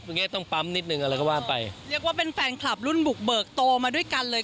อย่างเงี้ต้องปั๊มนิดนึงอะไรก็ว่าไปเรียกว่าเป็นแฟนคลับรุ่นบุกเบิกโตมาด้วยกันเลย